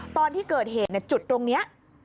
ตอนที่เกิดเหตุจุดตรงนี้